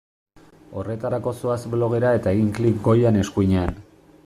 Horretarako zoaz blogera eta egin klik goian eskuinean.